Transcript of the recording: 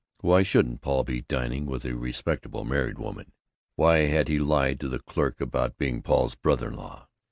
Why shouldn't Paul be dining with a respectable married woman? Why had he lied to the clerk about being Paul's brother in law?